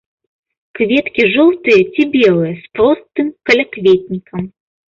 Кветкі жоўтыя ці белыя з простым калякветнікам.